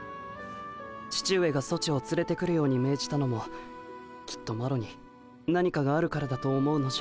父上がソチをつれてくるように命じたのもきっとマロに何かがあるからだと思うのじゃ。